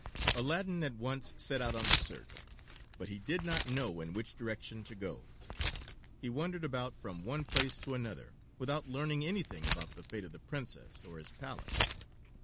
Aladdin at once set out on the search, but he did not know in which direction to go. He wandered about from one place to another, without learning anything about the fate of the Princess or his palace.